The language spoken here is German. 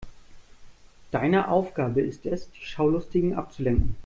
Deine Aufgabe ist es, die Schaulustigen abzulenken.